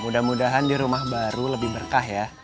mudah mudahan di rumah baru lebih berkah ya